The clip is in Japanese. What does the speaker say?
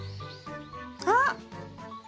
あっ！